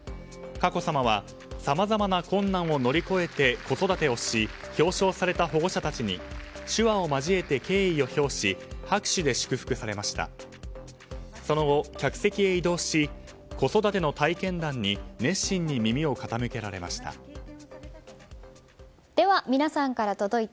佳子さまは、さまざまな困難を乗り越えて子育てをし表彰された保護者達に手話を交えて敬意を表し拍手で祝福されました。